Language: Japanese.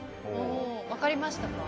分かりましたか？